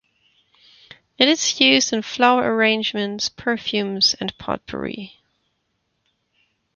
It is used in flower arrangements, perfumes and potpourri.